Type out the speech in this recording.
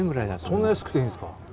そんな安くていいんですか？